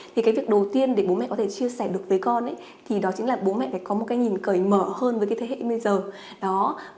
thì cái việc đầu tiên để bố mẹ có thể chia sẻ được với con thì đó chính là bố mẹ phải có một cái nhìn cởi mở hơn với cái thế hệ bây giờ